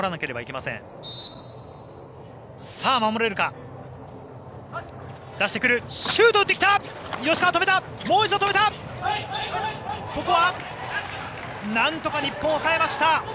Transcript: なんとか日本、抑えました。